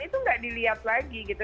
itu nggak dilihat lagi gitu